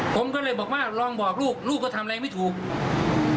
ผมก็เลยบอกว่าลองบอกลูกลูกก็ทำอะไรไม่ถูก